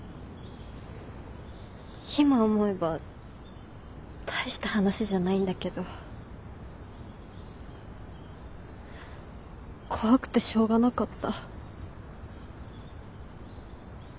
今思えば大した話じゃないんだけど怖くてしょうがなかった。